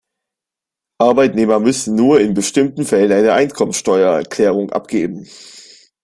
Arbeitnehmer müssen nur in bestimmten Fällen eine Einkommensteuererklärung abgeben.